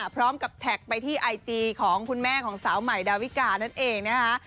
พร้อมกับแท็กไปที่ไอจีของคุณแม่ของสาวใหม่ดาวิกานั่นเองนะคะ